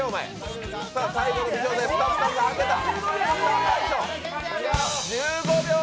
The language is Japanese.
最後の微調整スタッフさんがはけた。